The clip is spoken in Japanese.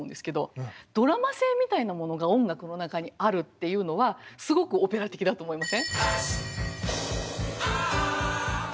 ドラマ性みたいなものが音楽の中にあるっていうのはすごくオペラ的だと思いません？